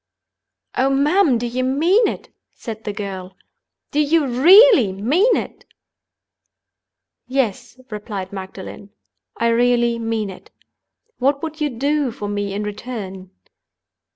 "Oh, ma'am, do you mean it?" said the girl. "Do you really mean it?" "Yes," replied Magdalen; "I really mean it. What would you do for me in return?"